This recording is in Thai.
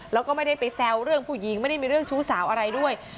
แล้วก็ไม่ได้ไปแซวเรื่องผู้หญิงไม่ได้มีเรื่องชู้สาวอะไรด้วย